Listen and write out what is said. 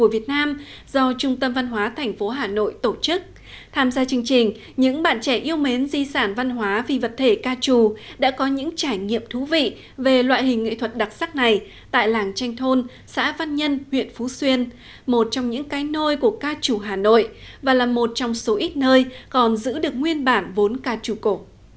việt nam do trung tâm văn hóa thành phố hà nội tổ chức tham gia chương trình những bạn trẻ yêu mến di sản văn hóa vì vật thể ca trù đã có những trải nghiệm thú vị về loại hình nghệ thuật đặc sắc này tại làng tranh thôn xã văn nhân huyện phú xuyên một trong những cái nôi của ca trù hà nội và là một trong số ít nơi còn giữ được nguyên bản vốn ca trù cổ